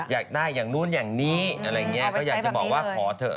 อยากได้อย่างนู้นอย่างนี้อะไรอย่างนี้ก็อยากจะบอกว่าขอเถอะ